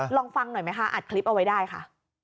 ลองฟังหน่อยไหมคะอัดคลิปเอาไว้ได้ค่ะ